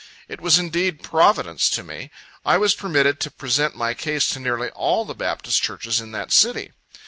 It was indeed "providence" to me. I was permitted to present my case to nearly all the Baptist Churches in that city.